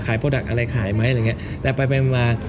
โปรดักต์อะไรขายไหมอะไรอย่างเงี้ยแต่ไปไปมา